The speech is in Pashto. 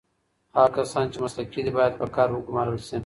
هغه کسان چې مسلکي دي باید په کار وګمـارل سي.